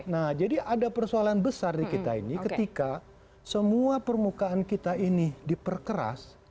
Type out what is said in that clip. nah jadi ada persoalan besar di kita ini ketika semua permukaan kita ini diperkeras